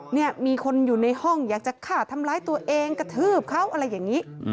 เนี่ยมีคนอยู่ในห้องอยากจะฆ่าทำร้ายตัวเองกระทืบเขาอะไรอย่างนี้